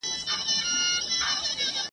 آیا برتانوي ځواکونو مورچلونه نیولي ول؟